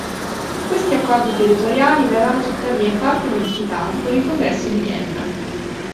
Questi accordi territoriali verranno tuttavia in parte modificati con il Congresso di Vienna.